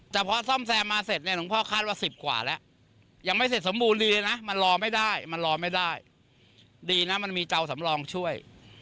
พร้อมซ่อมแซมมาเสร็จเนี่ยหลวงพ่อคาดว่า๑๐กว่าแล้วยังไม่เสร็จสมบูรณ์ดีเลยนะมันรอไม่ได้มันรอไม่ได้ดีนะมันมีเตาสำรองช่วย